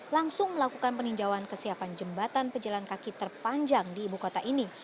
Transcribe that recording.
langsung melakukan peninjauan kesiapan jembatan pejalan kaki terpanjang di ibu kota ini